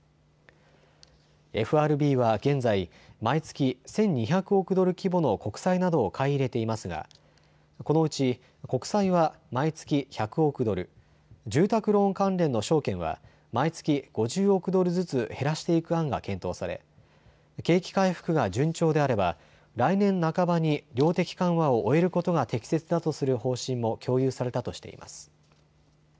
ＦＲＢは現在、毎月１２００億ドル規模の国債などを買い入れていますがこのうち国債は毎月１００億ドル、住宅ローン関連の証券は毎月５０億ドルずつ減らしていく案が検討され景気回復が順調であれば来年半ばに量的緩和を終えることが適切だとする方針も共有されたとしています。